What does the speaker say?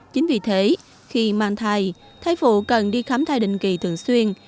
chính vì thế khi mang thai phụ cần đi khám thai định kỳ thường xuyên